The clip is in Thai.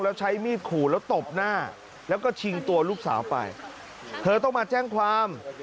แล้วใช้มีดขู่แล้วตบหน้าแล้วก็ชิงตัวลูกสาวไปเธอต้องมาแจ้งความ